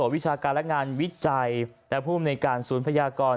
อังกษุวิชาการและงานวิจัยการพุ่มในการสูญพญากร